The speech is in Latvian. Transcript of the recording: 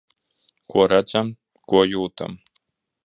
Ko redzam, ko jūtam.